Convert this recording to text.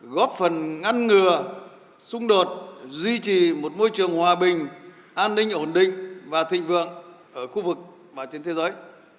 góp phần ngăn ngừa xung đột duy trì một môi trường hòa bình an ninh ổn định và thịnh vượng ở khu vực và trên thế giới